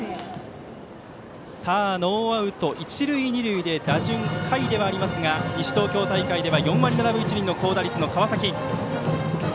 ノーアウト、一塁二塁で打順は下位ではありますが西東京大会では４割７分１厘の高打率、川崎。